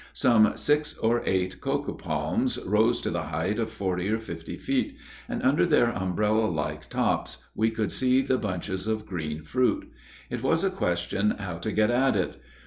Some six or eight cocoa palms rose to the height of forty or fifty feet, and under their umbrella like tops we could see the bunches of green fruit. It was a question how to get at it.